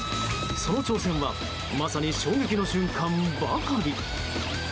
その挑戦はまさに衝撃の瞬間ばかり。